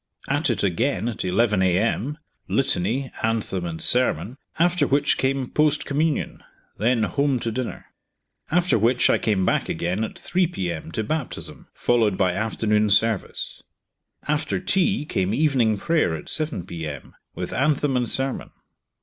At it again at 11 a.m., litany, anthem, and sermon; after which came post communion; then home to dinner. After which I came back again at 3 p.m. to baptism, followed by afternoon service. After tea came evening prayer, at 7 p.m., with anthem and sermon.